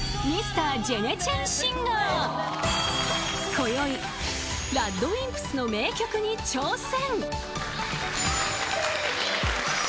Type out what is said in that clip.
［こよいＲＡＤＷＩＭＰＳの名曲に挑戦］